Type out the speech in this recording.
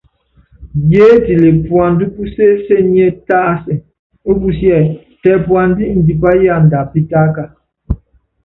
Yiétile puandá púnsésenie tásɛ ópusíé tɛ puandá indipá yanda apítáka.